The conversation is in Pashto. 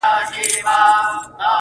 د ارزښتونو له مخي دي